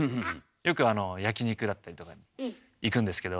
よく焼き肉だったりとかに行くんですけど。